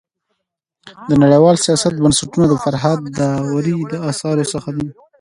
د نړيوال سیاست بنسټونه د فرهاد داوري د اثارو څخه دی.